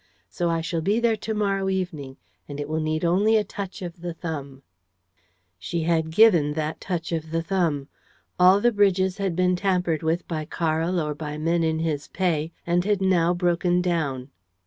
... So I shall be there to morrow evening; and it will only need a touch of the thumb. ..." She had given that touch of the thumb. All the bridges had been tampered with by Karl or by men in his pay and had now broken down.